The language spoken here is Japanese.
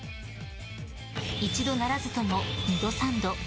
一度ならずとも二度三度。